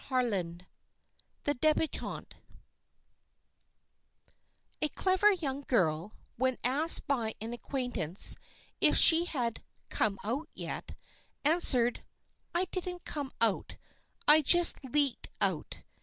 CHAPTER XI THE DÉBUTANTE A CLEVER young girl, when asked by an acquaintance if she had "come out" yet, answered, "I didn't come out. I just leaked out."